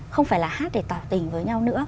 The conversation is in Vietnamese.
không phải là hát để tỏ tình với nhau nữa